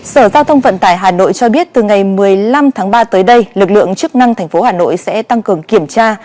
sở giao thông vận tải hà nội cho biết từ ngày một mươi năm tháng ba tới đây lực lượng chức năng tp hà nội sẽ tăng cường kiểm tra